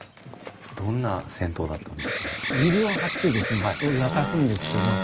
どんな銭湯だったんですか？